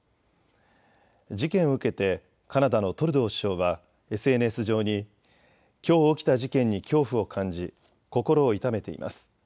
事件を受けてカナダのトルドー首相はＳＮＳ上にきょう起きた事件に恐怖を感じ心を痛めています。